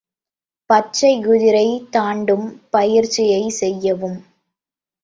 பச்சைக் குதிரை தாண்டும் பயிற்சியைச் செய்யவும்.